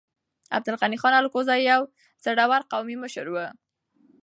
عبدالغني خان الکوزی يو زړور قومي مشر و.